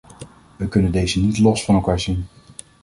We kunnen deze niet los van elkaar zien.